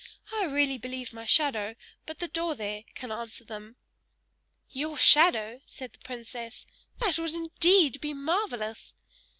"I really believe my shadow, by the door there, can answer them!" "Your shadow!" said the princess. "That would indeed be marvellous!"